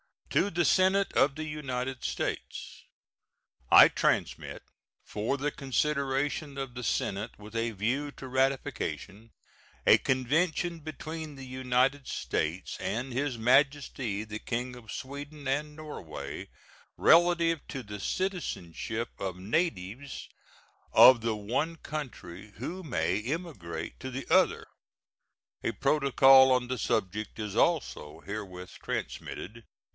To the Senate of the United States: I transmit, for the consideration of the Senate with a view to ratification, a convention between the United States and His Majesty the King of Sweden and Norway, relative to the citizenship of natives of the one country who may emigrate to the other. A protocol on the subject is also herewith transmitted.